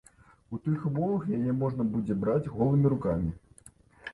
У тых умовах яе можна будзе браць голымі рукамі.